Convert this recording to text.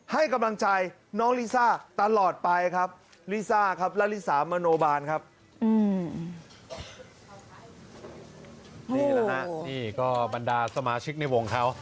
ให้กำลังใจน้องลิซ่าตลอดไปครับลิซ่าครับและลิซ่ามโนบานครับ